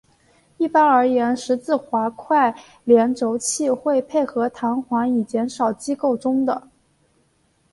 一般而言十字滑块联轴器会配合弹簧以减少机构中的。